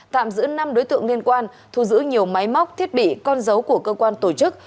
tạm giữ năm đối tượng liên quan thu giữ nhiều máy móc thiết bị con dấu của cơ quan tổ chức